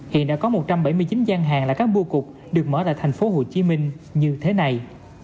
hiện đã có một trăm bảy mươi chín gian hàng là các bua cục được mở tại tp hcm như thế này